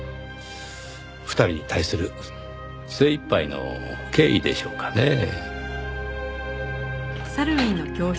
２人に対する精いっぱいの敬意でしょうかねぇ。